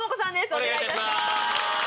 お願いいたします。